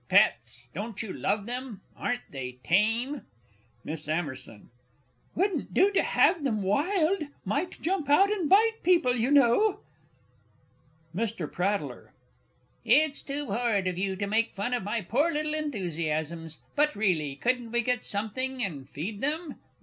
Pets! Don't you love them? Aren't they tame? MISS AMMERSON. Wouldn't do to have them wild might jump out and bite people, you know! MR. P. It's too horrid of you to make fun of my poor little enthusiasms! But really, couldn't we get something and feed them?